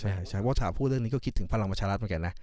ใช่เพราะถ้าพูดเรื่องนี้ก็คิดถึงพลังประชารัฐเหมือนกันนะ